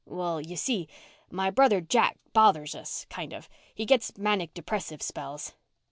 "Well, you see, my brother Jack bothers us, kind of. He gets manic depressive spells."